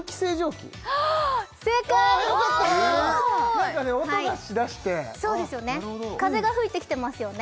何かね音がしだしてなるほど風が吹いてきてますよね